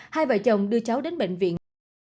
hai vợ chồng đưa cháu đến bệnh viện